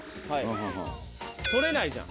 取れないじゃん